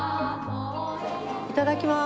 いただきます。